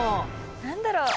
何だろう？